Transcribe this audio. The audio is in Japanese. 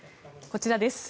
こちらです。